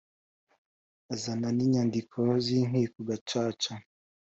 Uzane n’inyandiko z’Inkiko Gacaca